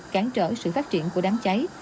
cản trở sự phát triển của đám cháy